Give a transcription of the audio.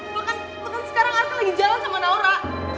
bahkan bahkan sekarang arka lagi jalan sama naura